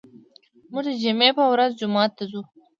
موږ د جمعې په ورځ جومات ته ځو.